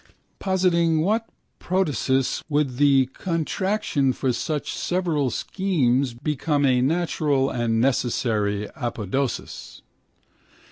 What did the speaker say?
Positing what protasis would the contraction for such several schemes become a natural and necessary apodosis?